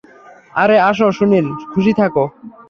আরে আসো সুনিল, খুশি থাকো।